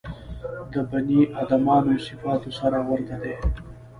د بني ادمانو صفاتو سره ورته دي.